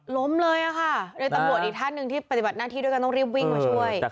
ล้มเลยค่ะโดยตำรวจอีกท่านหนึ่งที่ปฏิบัติหน้าที่ด้วยกันต้องรีบวิ่งมาช่วย